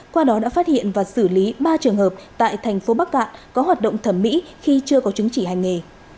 qua đó đã phát hiện và xử lý ba trường hợp tại thành phố bắc cạn có hoạt động thẩm mỹ khi chưa có chứng chỉ hành nghề